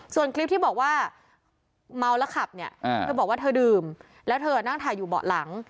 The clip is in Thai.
ส่วนคลิปที่บอกว่าเมาแล้วขับเนี่ยเธอบอกว่าเธอดื่มแล้วเธอนั่งถ่ายอยู่เบาะหลัง